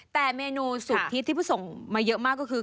แต่เมนูสุดฮิตที่ผู้ส่งมาเยอะมากก็คือ